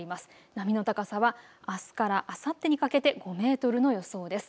波の高さはあすからあさってにかけて５メートルの予想です。